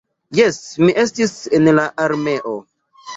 Jes, mi estis en la armeo.